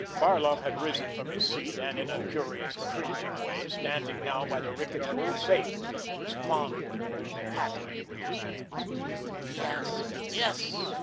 Barloff had risen from his seat, and in a curious, cringing way, standing now by the rickety old safe, was fondling it and patting it with his hands. "Yes, yes!"